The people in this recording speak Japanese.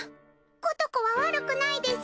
ことこは悪くないです。